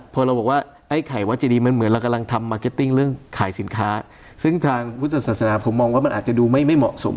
พอเราบอกว่าไอ้ไข่วัจเจดีมันเหมือนเรากำลังทำมาร์เก็ตติ้งเรื่องขายสินค้าซึ่งทางพุทธศาสนาผมมองว่ามันอาจจะดูไม่เหมาะสม